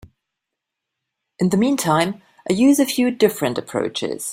In the meantime, I use a few different approaches.